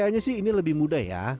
kayaknya sih ini lebih mudah ya